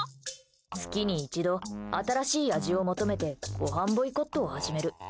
月に一度、新しい味を求めてごはんボイコットを始める。